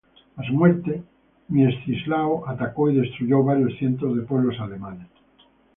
A su muerte, Miecislao atacó y destruyó varios cientos de pueblos alemanes.